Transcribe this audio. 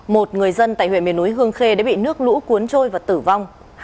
một người dân tại huyện miền núi hương khê đã bị nước lũ cuốn trôi và tử vong